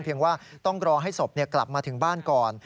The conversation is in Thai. ว่าต้องรอให้ศพกลับมาถึงบ้านก่อน